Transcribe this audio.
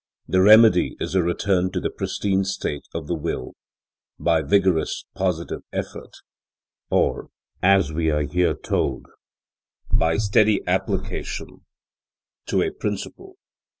The remedy is a return to the pristine state of the will, by vigorous, positive effort; or, as we are here told, by steady application to a principle.